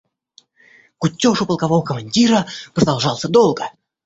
Кутеж у полкового командира продолжался долго.